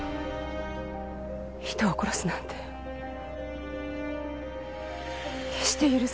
人を殺すなんて決して許されない。